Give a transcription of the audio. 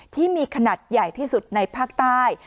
ที่มีขนาดใหญ่ที่สุดในภาคใต้